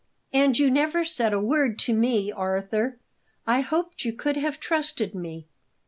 "And you never said a word to me. Arthur, I hoped you could have trusted me."